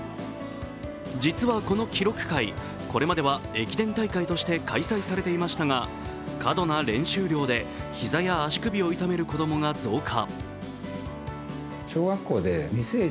実はこの記録会、これまでは駅伝大会として開催されていましたが過度な練習量で膝や足首を痛める子供が増加。